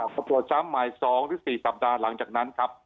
พอตรวจซ้ำบ่าย๒หรือ๔สัปดาห์หลังจากนั้นครับ